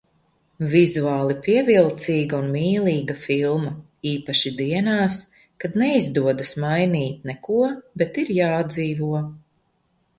Vizuāli pievilcīga un mīlīga filma. Īpaši dienās, kad neizdodas mainīt neko, bet ir jādzīvo.